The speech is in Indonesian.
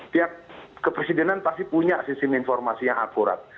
tiap kepresidenan pasti punya sistem informasi yang akurat